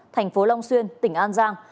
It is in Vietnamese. thành phố long xuyên tỉnh an giang